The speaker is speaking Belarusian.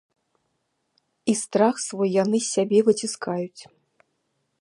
І страх свой яны з сябе выціскаюць.